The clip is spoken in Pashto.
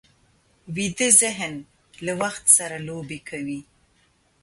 ویده ذهن له وخت سره لوبې کوي